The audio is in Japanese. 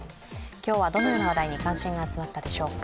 今日はどのような話題に関心が集まったのでしょうか。